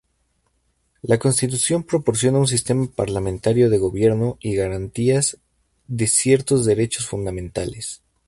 La constitución proporciona un sistema parlamentario de gobierno y garantías de ciertos derechos fundamentales.